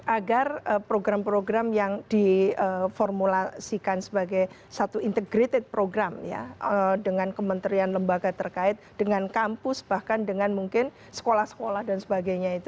agar program program yang diformulasikan sebagai satu integrated program ya dengan kementerian lembaga terkait dengan kampus bahkan dengan mungkin sekolah sekolah dan sebagainya itu